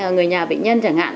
người nhà bệnh nhân chẳng hạn